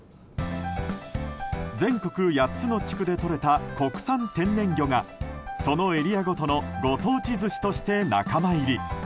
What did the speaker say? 全国８つの地区でとれた国産天然魚がそのエリアごとのご当地寿司として仲間入り。